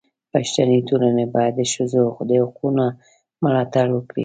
پښتني ټولنه باید د ښځو د حقونو ملاتړ وکړي.